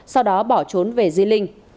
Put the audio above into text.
sau đó bỏ trốn về di linh